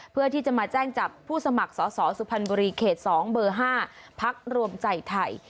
เพื่อที่จะมาแจ้งจับผู้สมัครสอสอสุพรรณบุรีเขต๒เบอร์๕พักรวมใจไทย